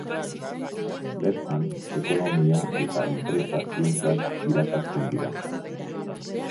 Bertan, Ekonomia eta Enpresa Zientziak irakasten dira.